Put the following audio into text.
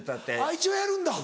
一応やるんだ。